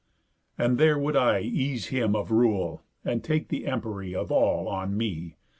And there would I Ease him of rule, and take the empery Of all on me.